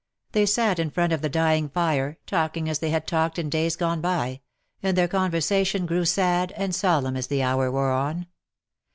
They sat in front of the dying fire, talking as they had talked in days gone by — and their conversation grew sad and solemn as the hour wore on.